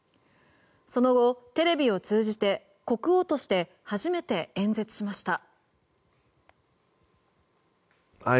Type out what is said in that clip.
その後、テレビを通じて国王として初めて演説しました。